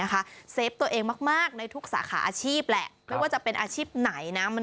แค่นิดเดียวเองนะ